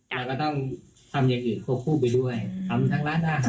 เราก็ต้องทำอย่างอื่นควบคู่ไปด้วยทำทั้งร้านอาหาร